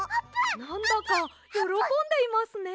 なんだかよろこんでいますね！